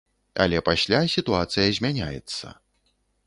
Але пасля сітуацыя змяняецца.